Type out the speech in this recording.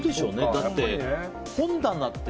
だって本棚って